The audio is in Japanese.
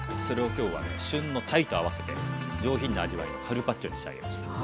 それを今日はね旬のたいと合わせて上品な味わいのカルパッチョに仕上げました。